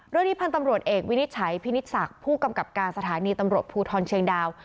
เรื่องนี้พันธ์ตำรวจเอกวินิจฉัยพินิศศักดิ์ผู้กำกับการสถานีตำรวจภูทรเชียงดาว